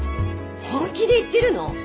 本気で言ってるの？